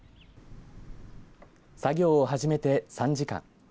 作業を始めて３時間。